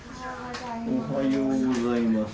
おはようございます。